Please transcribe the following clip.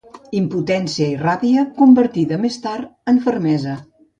Impotència i ràbia, convertida més tard en fermesa.